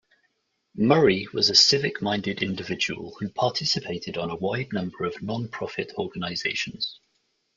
Murray was a civic-minded individual who participated on a wide number of nonprofit organizations.